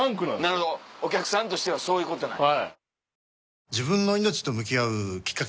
なるほどお客さんとしてはそういうことなんや。